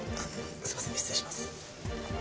すいません失礼します。